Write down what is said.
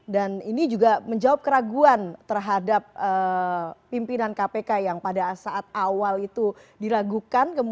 dan ini juga menjawab keraguan terhadap pimpinan kpk yang pada saat awal itu diragukan